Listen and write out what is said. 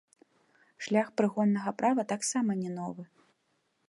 Шлях прыгоннага права таксама не новы.